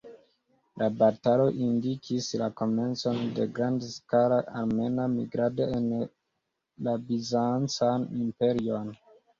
La batalo indikis la komencon de grandskala armena migrado en la Bizancan Imperion.